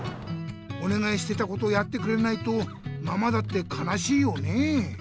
おねがいしてたことをやってくれないとママだってかなしいよね。